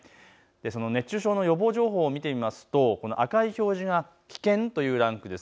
その熱中症の予防情報を見てみますとこの赤い表示が危険というランクです。